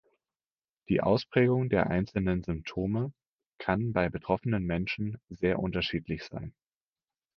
Die Ausprägung der einzelnen Symptome kann bei betroffenen Menschen sehr unterschiedlich sein.